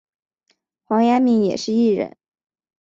黄雅珉也是艺人。